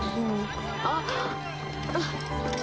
あっ！